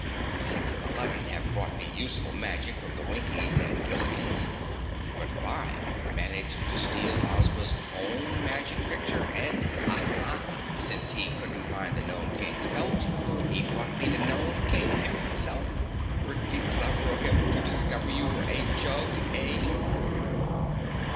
Six and Eleven have brought me useful magic from the Winkies and Gillikins, but Five managed to steal Ozma's own magic picture, and ha ha! since he couldn't find the Gnome King's belt, he brought me the Gnome King himself! Pretty clever of him to discover you were a jug, eh?"